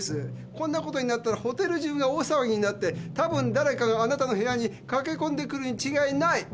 こんなことになったらホテル中が大騒ぎになってたぶんだれかがあなたの部屋に駆け込んでくるに違いない。